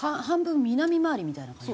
半分南回りみたいな。